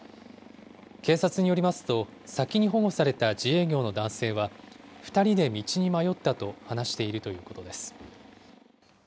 警察によりますと、先に保護された自営業の男性は、２人で道に迷ったと話しているということです。